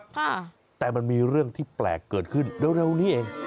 ค่ะแต่มันมีเรื่องที่แปลกเกิดขึ้นเร็วนี้เอง